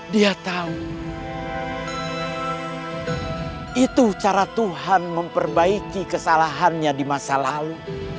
dia tahu itu cara tuhan memperbaiki kesalahannya di masa lalu